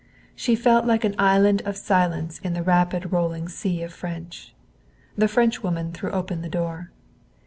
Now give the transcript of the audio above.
She felt like an island of silence in a rapid rolling sea of French. The Frenchwoman threw open the door.